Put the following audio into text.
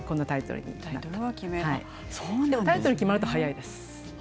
タイトルが決まると早いです。